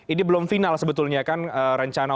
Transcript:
ini belum final sebetulnya kan rencana